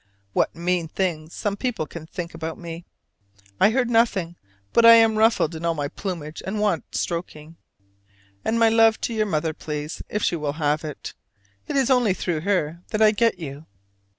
What mean things some people can think about one! I heard nothing: but I am ruffled in all my plumage and want stroking. And my love to your mother, please, if she will have it. It is only through her that I get you.